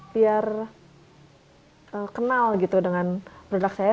biar kenal gitu dengan produk saya